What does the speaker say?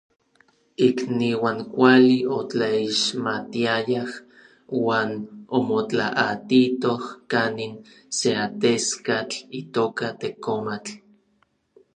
Ikniuan kuali otlaixmatiayaj uan omotlaatitoj kanin se ateskatl itoka Tekomatl.